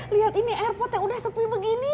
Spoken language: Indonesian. lihat ini airpodnya sudah sepi begini